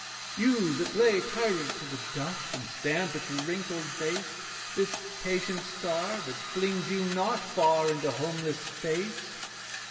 'You, that play tyrant to the dust, And stamp its wrinkled face, This patient star that flings you not Far into homeless space.